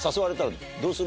どうする？